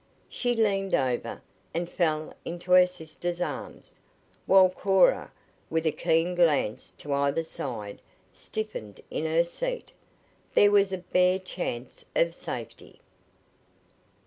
She leaned over, and fell into her sister's arms, while Cora, with a keen glance to either side, stiffened in her seat. There was a bare chance of safety.